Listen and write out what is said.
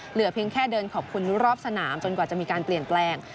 เหลือเพียงแค่เดินขอบคุณรอบสนามจนกว่าจะมีการเปลี่ยนแปลง